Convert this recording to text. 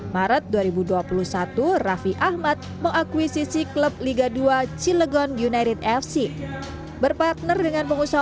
maret dua ribu dua puluh satu raffi ahmad mengakuisisi klub liga dua cilegon united fc berpartner dengan pengusaha